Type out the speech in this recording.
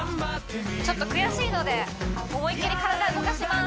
ちょっと悔しいので思いっきり体動かします